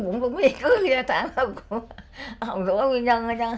ừ ưng cũng vậy cứ tháng hôm cũng không không có nguyên nhân nữa chứ